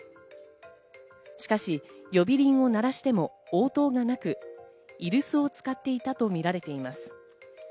しかし、呼び鈴を鳴らしても応答がなく、居留守を使っていたとみられています。